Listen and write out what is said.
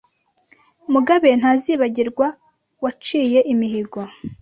Mugabe ntazibagirwa waciye imihigo